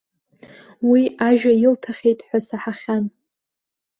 Уи ажәа илҭахьеит ҳәа саҳахьан.